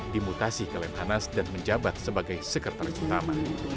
dimutasi ke lemhanas dan menjabat sebagai sekretaris utama